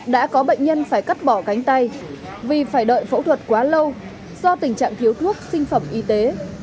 đã có bệnh nhân phải cắt bỏ cánh tay vì phải đợi phẫu thuật quá lâu do tình trạng thiếu thuốc sinh phẩm y tế